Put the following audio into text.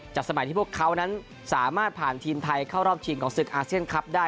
สมัยที่พวกเขานั้นสามารถผ่านทีมไทยเข้ารอบชิงของศึกอาเซียนคลับได้